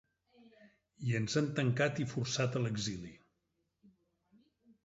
I ens han tancat i forçat a l’exili.